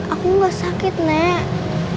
aku gak sakit nek